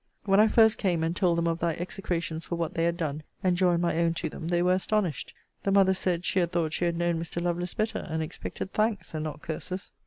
When I first came, and told them of thy execrations for what they had done, and joined my own to them, they were astonished. The mother said, she had thought she had known Mr. Lovelace better; and expected thanks, and not curses.